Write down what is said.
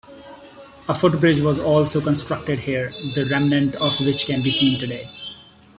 A footbridge was also constructed here, the remnants of which can been seen today.